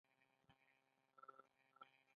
د پسونو او وزو رمې ساتل کیدې